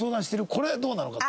これどうなのかと。